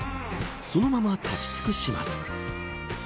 そのまま立ち尽くします。